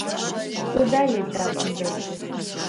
Сыда еджапӏэм дэтыр?